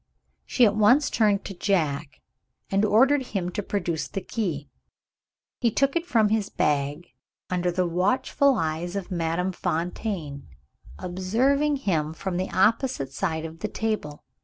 She at once turned to Jack, and ordered him to produce the key. He took it from his bag, under the watchful eyes of Madame Fontaine, observing him from the opposite side of the table.